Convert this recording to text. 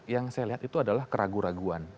yang saya lihat itu adalah keraguan keraguan